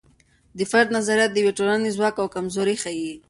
د فرد نظریات د یوې ټولنې ځواک او کمزوري ښیي.